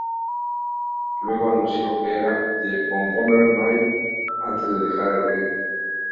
Luego anunció que era "The Boogeyman" antes de dejar el ring.